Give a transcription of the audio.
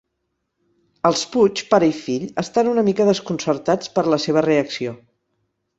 Els Puig, pare i fill, estan una mica desconcertats per la seva reacció.